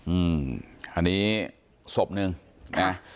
อืมอันนี้ศพหนึ่งนะ